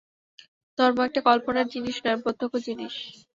ধর্ম একটা কল্পনার জিনিষ নয়, প্রত্যক্ষ জিনিষ।